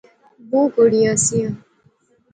بہوں کڑیاں سیاں